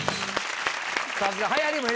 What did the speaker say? さすが。